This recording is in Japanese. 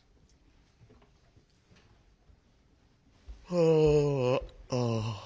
あああぁ。